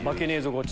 ゴチ。